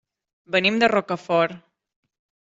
Venim de Rocafort.